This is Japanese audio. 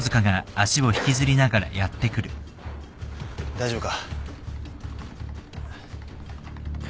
大丈夫か？